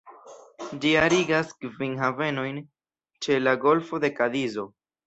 Ĝi arigas kvin havenojn ĉe la golfo de Kadizo.